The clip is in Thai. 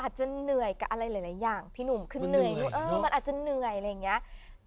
อาจจะเหนื่อยกับอะไรหลายอย่างพี่หนุ่มคือเหนื่อยมันอาจจะเหนื่อยอะไรอย่างนี้